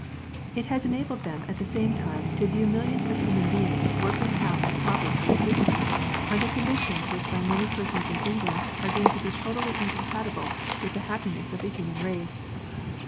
It has enabled them at the same time to view millions of human beings working out the problem of existence under conditions which by many persons in England are deemed to be totally incompatible with the hap piness of the human race.